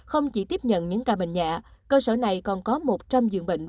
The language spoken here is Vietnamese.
không chỉ tiếp nhận những ca bệnh nhẹ cơ sở này còn có một trăm linh giường bệnh